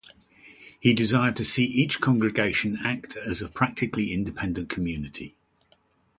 He desired to see each congregation act as a practically independent community.